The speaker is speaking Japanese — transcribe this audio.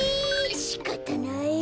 しかたない。